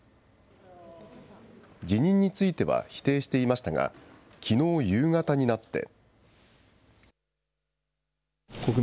辞任については否定していましたが、きのう夕方になって。